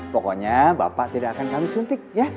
pokoknya bapak tidak akan kami suntik ya